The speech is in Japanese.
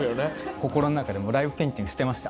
心の中でもうライブペインティングしてました。